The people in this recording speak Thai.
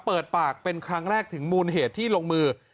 เปิดปากเป็นครั้งแรกถึงมูลเหตุที่ลงมือ